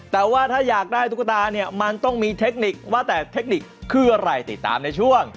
แต่ว่าถ้าอยากได้ตุ๊กตาเนี่ยมันต้องมีเทคนิคว่าแต่เทคนิคคืออะไรติดตามในช่วง